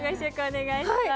お願いします。